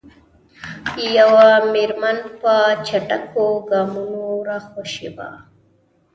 یوه میرمن په چټکو ګامونو راخوشې وه.